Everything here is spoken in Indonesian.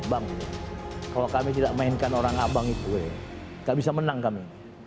bang kalau kami tidak mainkan orang abang itu gak bisa menang kami